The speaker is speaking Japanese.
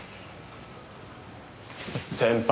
先輩！